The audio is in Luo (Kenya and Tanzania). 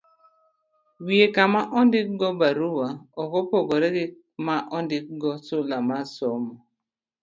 Wiye kama ondikgo barua ok opogore gi ma ondikgo sula mar somo.